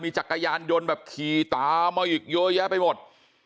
จักรยานยนต์แบบขี่ตามมาอีกเยอะแยะไปหมด